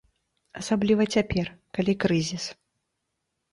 Асабліва цяпер, калі крызіс.